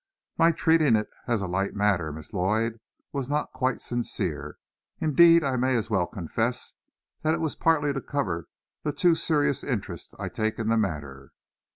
"My treating it as a light matter, Miss Lloyd, was not quite sincere. Indeed, I may as well confess that it was partly to cover the too serious interest I take in the matter."